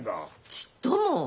ちっとも。